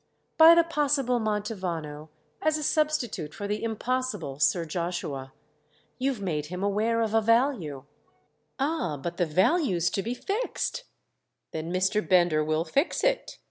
"By the possible Mantovano—as a substitute for the impossible Sir Joshua. You've made him aware of a value." "Ah, but the value's to be fixed!" "Then Mr. Bender will fix it!"